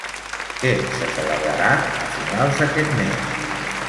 Què se celebrarà a finals d'aquest mes?